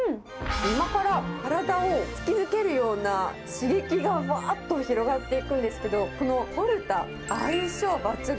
うま辛、体を突き抜けるような刺激がわーっと広がっていくんですけど、このポルタ、相性抜群！